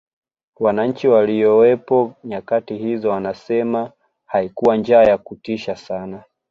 wananchi waliyowepo nyakati hizo wanasema haikuwa njaa ya kutisha sana